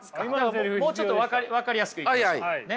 もうちょっと分かりやすくいきますね。